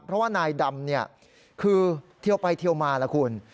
เพราะว่านายดำคือเทียวไปเทียวมาล่ะคุณ